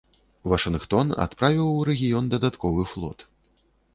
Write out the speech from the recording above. Вашынгтон адправіў у рэгіён дадатковы флот.